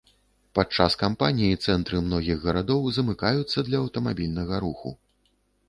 Падчас кампаніі цэнтры многіх гарадоў замыкаюцца для аўтамабільнага руху.